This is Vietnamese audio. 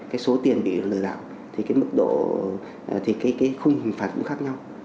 cái số tiền bị lừa đảo thì cái mức độ thì cái khung hình phạt cũng khác nhau